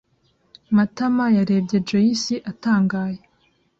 Matama yarebye Joyci atangaye.